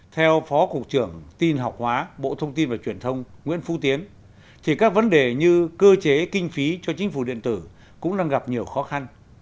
theo phó cục trưởng tin học hóa bộ thông tin và truyền thông nguyễn phu tiến thì các vấn đề như cơ chế kinh phí cho chính phủ điện tử cũng đang gặp nhiều khó khăn